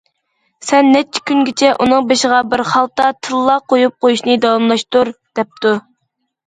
سەن نەچچە كۈنگىچە ئۇنىڭ بېشىغا بىر خالتا تىللا قويۇپ قويۇشنى داۋاملاشتۇر، دەپتۇ.